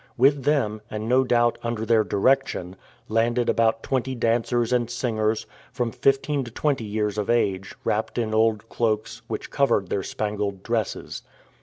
With them, and no doubt under their direction, landed about twenty dancers and singers, from fifteen to twenty years of age, wrapped in old cloaks, which covered their spangled dresses.